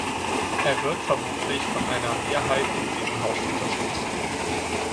Er wird vermutlich von einer Mehrheit in diesem Haus unterstützt.